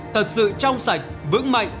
thật sự trong sạch vững mạnh